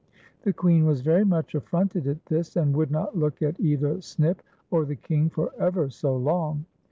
The Queen was very much aftronted at this, and would not look at either Snip or the King for ever so long.